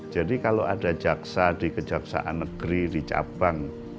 jadi kalau ada jaksa di kejaksaan negeri di capang